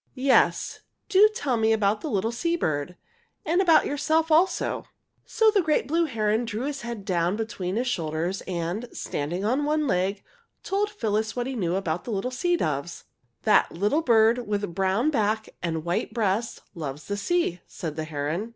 Yes, do tell me about the little sea bird and about yourself also!" So the blue heron drew his head down between his shoulders, and, standing on one leg, told Phyllis what he knew of the little sea doves. "That little bird with brown back and white breast loves the sea," said the heron.